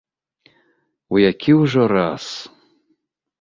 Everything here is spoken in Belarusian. У які ўжо раз.